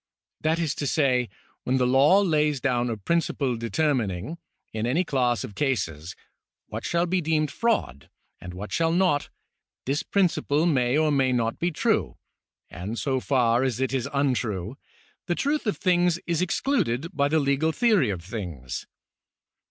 That is to say, when the law lays down a prin ciple determining, in any class of cases, what shall be deemed fraud, and what shall not, this principle may or may not be true, and so far as it is untrue, the truth of things is excluded by the legal theory of things.